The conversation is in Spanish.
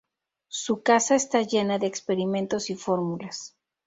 Su casa está llena de experimentos y fórmulas.